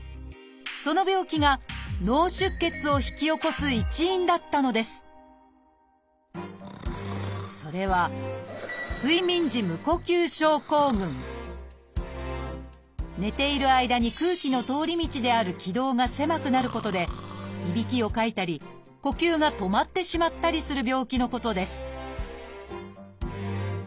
その病気が脳出血を引き起こす一因だったのですそれは寝ている間に空気の通り道である気道が狭くなることでいびきをかいたり呼吸が止まってしまったりする病気のことです